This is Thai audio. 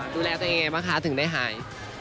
ดูแลตัวเองยังไงบ้างคะถึงได้หาย